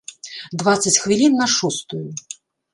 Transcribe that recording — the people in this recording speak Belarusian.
Дваццаць хвілін на шостую.